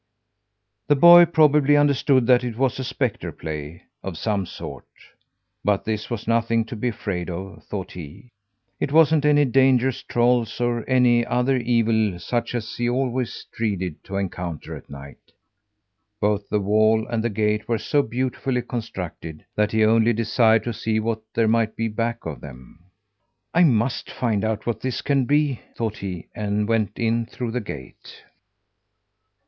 The boy probably understood that it was a spectre play of some sort; but this was nothing to be afraid of, thought he. It wasn't any dangerous trolls, or any other evil such as he always dreaded to encounter at night. Both the wall and the gate were so beautifully constructed that he only desired to see what there might be back of them. "I must find out what this can be," thought he, and went in through the gate.